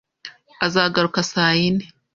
Azagaruka saa yine.